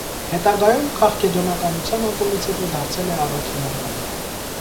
Հետագայում, քաղկեդոնականության անկումից հետո դարձել է առաքելական։